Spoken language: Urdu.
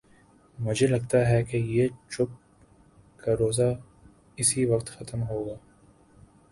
مجھے لگتا ہے کہ یہ چپ کا روزہ اسی وقت ختم ہو گا۔